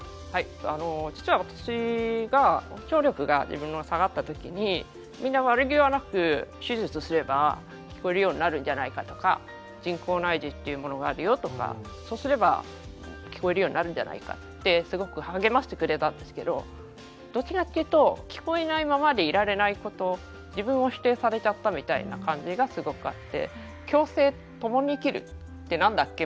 実は私が聴力が自分のが下がった時にみんな悪気はなく手術すれば聞こえるようになるんじゃないかとか人工内耳っていうものがあるよとかそうすれば聞こえるようになるんじゃないかってすごく励ましてくれたんですけどどっちかっていうと聞こえないままでいられないこと自分を否定されちゃったみたいな感じがすごくあって共生共に生きるって何だっけ？